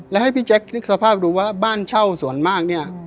และให้พี่แจ๊คนึกสภาพดูว่าบ้านเช่าส่วนมากเนี่ย